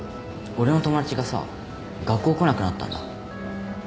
俺の友達がさ学校来なくなったんだ。